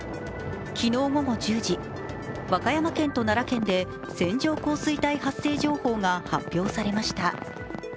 昨日午後１０時、和歌山県と奈良県で線状降水帯発生情報が発表されました。